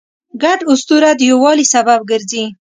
ګډ اسطوره د یووالي سبب ګرځي.